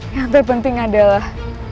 yang terpenting adalah